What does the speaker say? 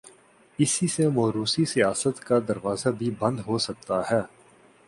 اسی سے موروثی سیاست کا دروازہ بھی بند ہو سکتا ہے۔